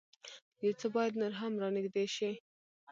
يو څه بايد نور هم را نېږدې شي.